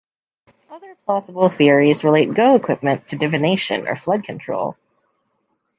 Other plausible theories relate Go equipment to divination or flood control.